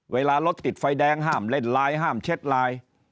เวลารถติดไฟแดงห้ามเล่นไลน์ห้ามแชทไลน์